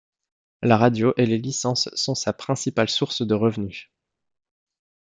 La radio et les licences sont sa principale source de revenu.